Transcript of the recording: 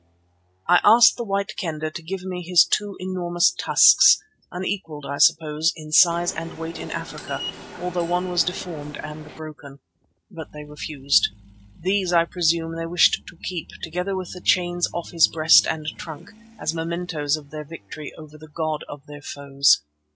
I asked the White Kendah to give me his two enormous tusks, unequalled, I suppose, in size and weight in Africa, although one was deformed and broken. But they refused. These, I presume, they wished to keep, together with the chains off his breast and trunk, as mementoes of their victory over the god of their foes.